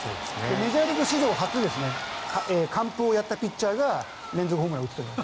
メジャーリーグ史上初完封をやったピッチャーが連続ホームランを打つという。